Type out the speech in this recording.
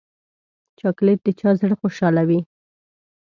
چاکلېټ د چا زړه خوشحالوي.